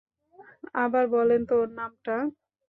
আবার বলেনতো ওর নামটা?